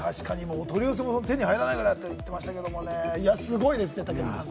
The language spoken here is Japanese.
取り寄せも手に入らないぐらいっておっしゃってましたけど、すごいですね、武田さん。